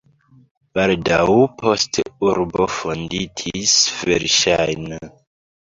Baldaŭ poste urbo fonditis verŝajne.